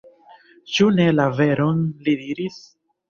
Ĉu ne la veron li diris?